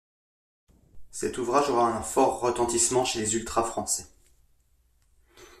Cet ouvrage aura un fort retentissement chez les ultras français.